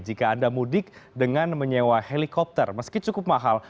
jika anda mudik dengan menyewa helikopter meski cukup mahal